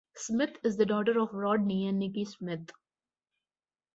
Smith is the daughter of Rodney and Nikki Smith.